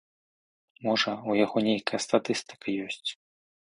Можа, у яго нейкая статыстыка ёсць.